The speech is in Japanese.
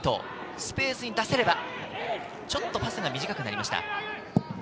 スペースに出せれば、ちょっとパスが短くなりました。